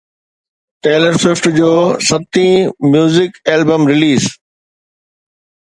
tailor Swift جو ستين music album release